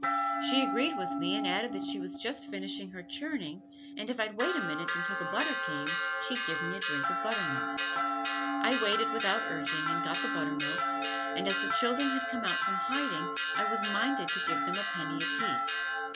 She agreed with me and added that she was just finishing her churning and if I'd wait a minute until the butter came, she'd give me a drink of buttermilk. I waited without urging and got the buttermilk, and as the children had come out from hiding I was minded to give them a penny apiece.